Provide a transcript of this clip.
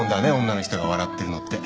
女の人が笑ってるのって。